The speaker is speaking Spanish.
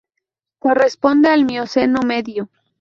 Corresponde al Mioceno Medio.